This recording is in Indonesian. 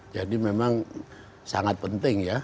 jadi memang sangat penting ya